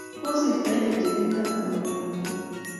kosirto eng chepchepindo ama tabendo